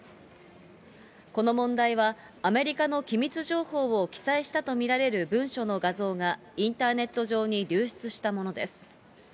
この問題は、アメリカの機密情報を記載したと見られる文書の画像がインターネット上に流出したものです。